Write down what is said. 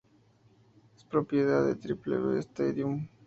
Es propiedad de "Triple B Stadium Inc.